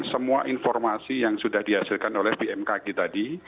semua informasi yang sudah dihasilkan oleh bmkg tadi